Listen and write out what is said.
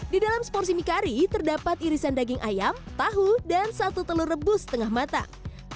di dalam seporsi mie kari terdapat irisan daging ayam tahu dan satu telur rebus setengah matang